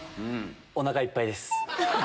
おなかいっぱいです。